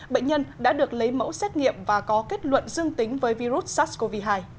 bệnh nhân đã được lấy mẫu xét nghiệm và có kết luận dương tính với virus sars cov hai